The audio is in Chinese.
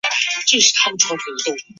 开禧二年为忠州防御使。